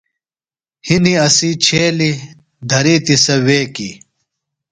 ہِنیۡ اسی چھیلیۡ، دھرِیتیۡ سےۡ ویکیۡ